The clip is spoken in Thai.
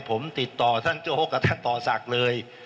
ผมติดต่อท่านโจ๊กกับท่านต่อศักดิ์เลย